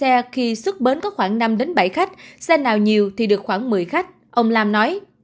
trong bình mỗi xe khi xuất bến có khoảng năm bảy khách xe nào nhiều thì được khoảng một mươi khách ông lam nói